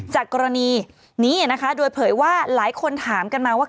จากกรณีนี้นะคะโดยเผยว่าหลายคนถามกันมาว่า